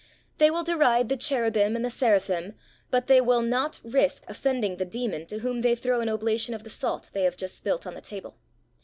They will deride the cherubim and the seraphim, but they will not risk offending the demon to whom they throw an oblation of the salt they have just spilt on the table.